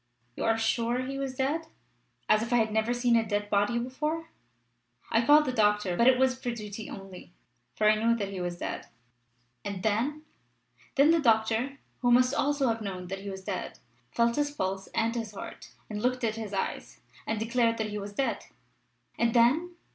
"You are sure he was dead?" "As if I had never seen a dead body before! I called the doctor, but it was for duty only, for I knew that he was dead." "And then?" "Then the doctor who must also have known that he was dead felt his pulse and his heart, and looked at his eyes, and declared that he was dead." "And then?"